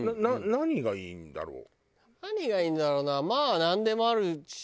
何がいいんだろう？